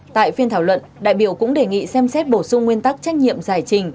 tại phiên thảo luận đại biểu cũng đề nghị xem xét bổ sung nguyên tắc trách nhiệm giải trình